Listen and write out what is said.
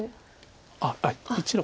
あっ１路